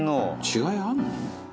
「違いあるの？」